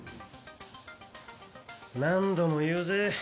何度も言うぜ。